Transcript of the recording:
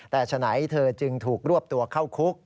แต่ฉะนั้นเธอจึงถูกรวบตัวเข้าคุก